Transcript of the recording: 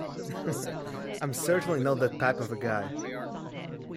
I'm certainly not that type of a guy.